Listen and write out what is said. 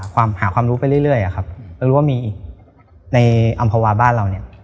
หาความรู้ไปเรื่อยอะครับเรารู้ว่ามีอีกในอำภาวาบ้านเราเนี่ย